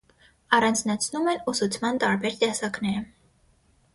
Առանձնացնում են ուսուցման տարբեր տեսակները։